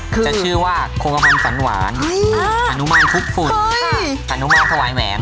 คือจะชื่อว่าโคกะพันธุ์ฟันหวานอืมอ่าหันุมันคุกฝุ่นค่ะหันุมันถวายแหวน